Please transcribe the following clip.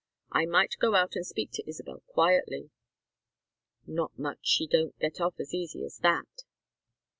I might go out and speak to Isabel quietly " "Not much she don't get off as easy as that!"